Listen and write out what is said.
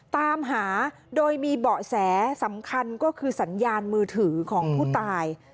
ตามหาโดยมีเบาะแสสำคัญก็คือสัญญาณมือถือของผู้ตาย